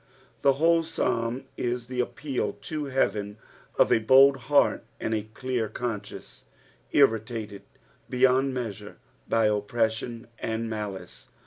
The oMe Psmm is the appeal to heaven of a bold heart aj\d a dear eon idence, irritated beyond TTteasare In/ opprtstion and malice.